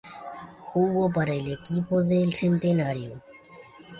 Jugo para el equipo del Centenario.